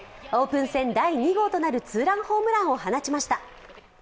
オープン戦第２号となるツーランホームランを放ちました。